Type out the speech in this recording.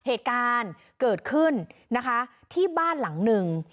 เหตุการณ์เกิดขึ้นนะคะที่บ้านหลังหนึ่ง